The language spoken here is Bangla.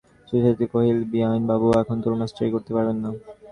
সুচরিতা কহিল, বিনয়বাবু এখন তোর মাস্টারি করতে পারবেন না।